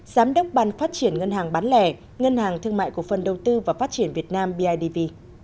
giám đốc ban phát triển ngân hàng bán lẻ ngân hàng thương mại cổ phần đầu tư và phát triển việt nam bidv